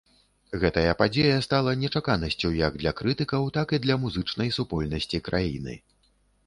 Гэтая падзея стала нечаканасцю як для крытыкаў, так і для музычнай супольнасці краіны.